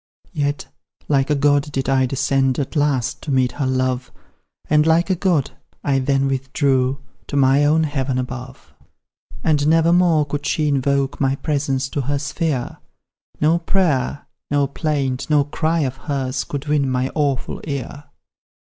Yet, like a god did I descend At last, to meet her love; And, like a god, I then withdrew To my own heaven above. "And never more could she invoke My presence to her sphere; No prayer, no plaint, no cry of hers Could win my awful ear.